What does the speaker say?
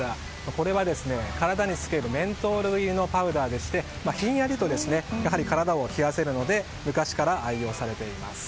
これは体につけるメントール入りのパウダーでしてひんやりと体を冷やせるので昔から愛用されています。